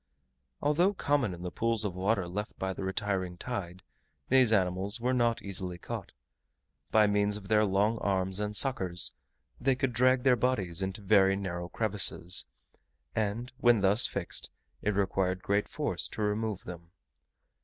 Although common in the pools of water left by the retiring tide, these animals were not easily caught. By means of their long arms and suckers, they could drag their bodies into very narrow crevices; and when thus fixed, it required great force to remove them.